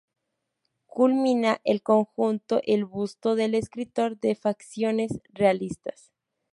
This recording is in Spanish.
Culmina el conjunto el busto del escritor, de facciones realistas.